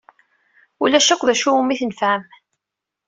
Ulac akk d acu umi tnefɛem.